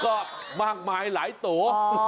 ก็มากมายหลายโต